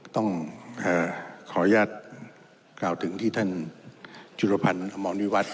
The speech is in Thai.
ต้องขออนุญาตกล่าวถึงที่ท่านจุดภัณฑ์มองดีวัฒน์